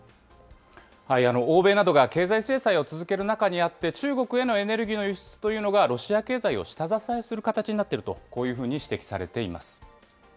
欧米などが経済制裁を続ける中にあって、中国へのエネルギーの輸出というのが、ロシア経済を下支えする形になっていると、こういうふうに指摘されています。